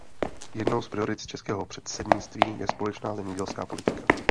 Jednou z priorit českého předsednictví je společná zemědělská politika.